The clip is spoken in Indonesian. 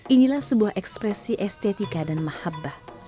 inilah sebuah ekspresi estetika dan mahabbah